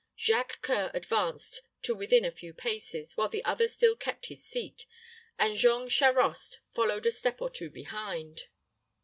Jacques C[oe]ur advanced to within a few paces, while the other still kept his seat, and Jean Charost followed a step or two behind.